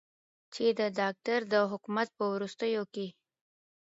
چې د داکتر د حکومت په وروستیو کې